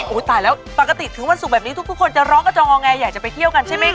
ตายแล้วปกติถึงวันศุกร์แบบนี้ทุกคนจะร้องกระจองอแงอยากจะไปเที่ยวกันใช่ไหมคะ